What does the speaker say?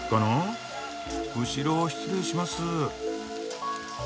後ろを失礼します。